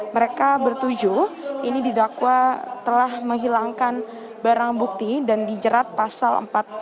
mereka bertuju ini didakwa telah menghilangkan barang bukti dan dijerat pasal empat puluh lima